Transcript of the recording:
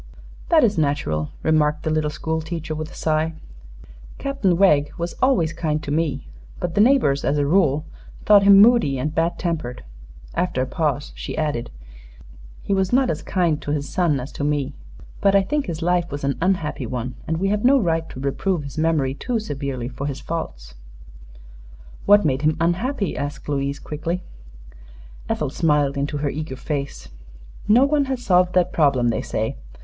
"That is natural," remarked the little school teacher, with a sigh. "Captain Wegg was always kind to me; but the neighbors as a rule thought him moody and bad tempered." After a pause she added: "He was not as kind to his son as to me. But I think his life was an unhappy one, and we have no right to reprove his memory too severely for his faults." "What made him unhappy?" asked Louise, quickly. Ethel smiled into her eager face. "No one has solved that problem, they say.